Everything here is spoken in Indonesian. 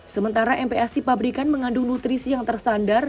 sementara mpac pabrikan mengandung nutrisi yang terstandar